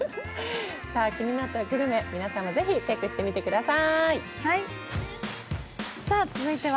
気になったグルメ、ぜひ皆さんもチェックしてみてください。